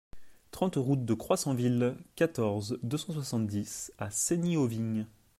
trente route de Croissanville, quatorze, deux cent soixante-dix à Cesny-aux-Vignes